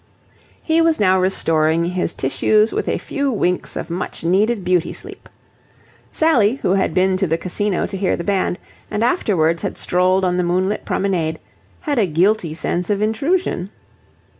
He was now restoring his tissues with a few winks of much needed beauty sleep. Sally, who had been to the Casino to hear the band and afterwards had strolled on the moonlit promenade, had a guilty sense of intrusion.